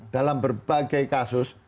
dalam berbagai kasus